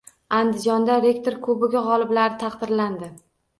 Andijonda “Rektor kubogi” g‘oliblari taqdirlandi